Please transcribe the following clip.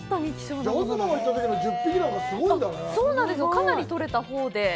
かなり取れたほうで。